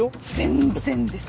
全然です